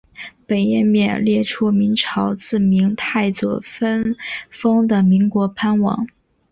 本页面列出明朝自明太祖分封的岷国藩王。